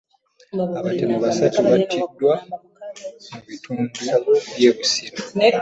Abatemu basatu battiddwa mu bitundu by'e Busiro.